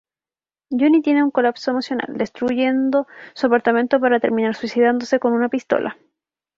Johnny tiene un colapso emocional, destruyendo su apartamento para terminar suicidándose con una pistola.